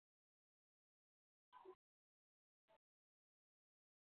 Official cause of death was listed as chronic meningitis.